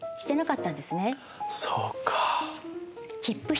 そうか。